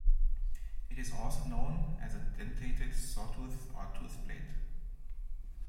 It is also known as a dentated, sawtooth, or toothed blade.